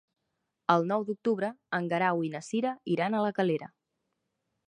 El nou d'octubre en Guerau i na Cira iran a la Galera.